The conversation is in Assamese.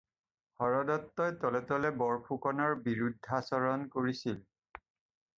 হৰদত্তই তলে তলে বৰফুকনৰ বিৰুদ্ধাচৰণ কৰিছিল।